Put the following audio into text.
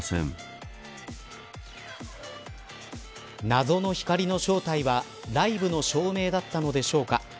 謎の光の正体はライブの照明だったのでしょうか。